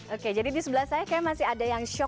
oke jadi di sebelah saya kayaknya masih ada yang shock